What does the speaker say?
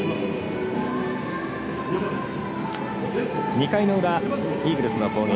２回の裏、イーグルスの攻撃。